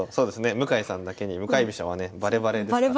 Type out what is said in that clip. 向井さんだけに向かい飛車はねバレバレですから。